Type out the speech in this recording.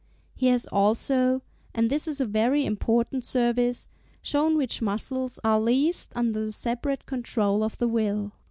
He has also, and this is a very important service, shown which muscles are least under the separate control of the will.